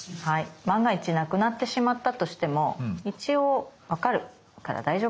万が一無くなってしまったとしても一応分かるから大丈夫かなと思ってます。